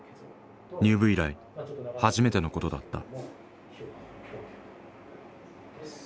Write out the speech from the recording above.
入部以来初めてのことだった。